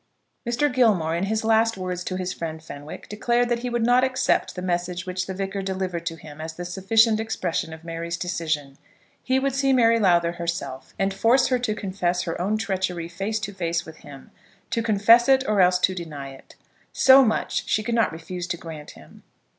Mr. Gilmore in his last words to his friend Fenwick, declared that he would not accept the message which the Vicar delivered to him as the sufficient expression of Mary's decision. He would see Mary Lowther herself, and force her to confess her own treachery face to face with him, to confess it or else to deny it. So much she could not refuse to grant him.